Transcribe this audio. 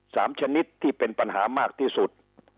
ชนิดที่เป็นปัญหามากที่สุด